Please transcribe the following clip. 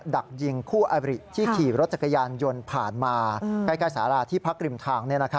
ดักยิงคู่อบริที่ขี่รถจักรยานยนต์ผ่านมาใกล้สาราที่พักริมทาง